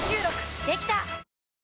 できた！